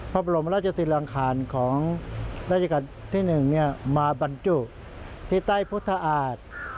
พระบรมราชศิลังคารของราชการที่๑มาบรรจุที่ใต้พุทธอาท